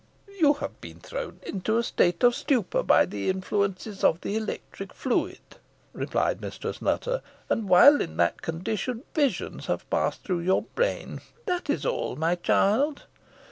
"You have been thrown into a state of stupor by the influence of the electric fluid," replied Mistress Nutter, "and while in that condition visions have passed through your brain. That is all, my child."